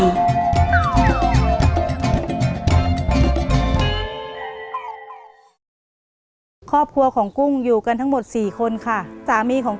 รายการต่อไปนี้เป็นรายการทั่วไปสามารถรับชมได้ทุกวัย